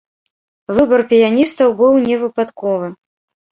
Выбар піяністаў быў не выпадковы.